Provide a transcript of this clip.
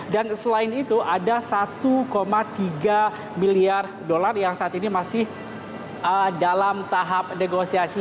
dan selain itu ada satu tiga miliar dolar yang saat ini masih dalam tahap negosiasi